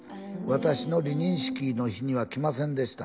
「私の離任式の日には来ませんでした」